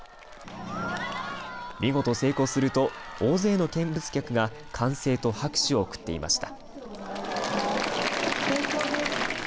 見事成功すると大勢の見物客が歓声と拍手を送っていました。